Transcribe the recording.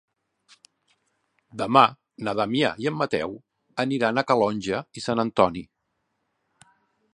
Demà na Damià i en Mateu aniran a Calonge i Sant Antoni.